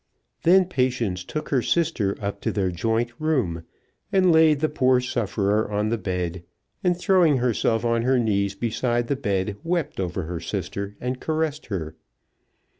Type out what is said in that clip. Then Patience took her sister up to their joint room, and laid the poor sufferer on the bed, and throwing herself on her knees beside the bed, wept over her sister and caressed her.